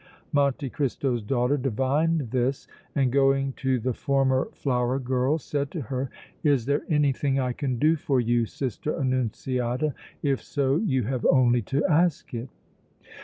Monte Cristo's daughter divined this, and, going to the former flower girl, said to her: "Is there anything I can do for you, Sister Annunziata? If so you have only to ask it!"